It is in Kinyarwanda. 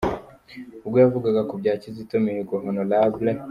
Ubwo yavugaga ku bya Kizito Mihigo, Hon.